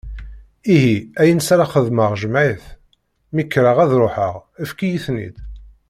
Ihi, ayen s ara xedmeɣ jmeɛ-it, mi kreɣ ad ruḥeɣ, efk-iyi-ten-id.